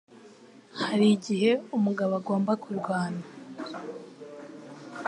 Hari igihe umugabo agomba kurwana